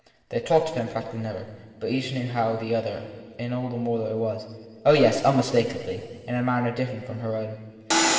They talked of him practically never; but each knew how the other thought all the more that it was (oh yes, unmistakably !) in a manner different from her own.